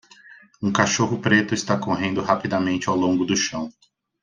Um cachorro preto está correndo rapidamente ao longo do chão